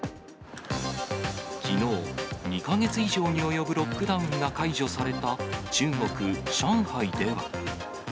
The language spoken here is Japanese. きのう、２か月以上に及ぶロックダウンが解除された、中国・上海では。